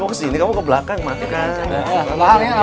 wah kamu kesini kamu ke belakang makan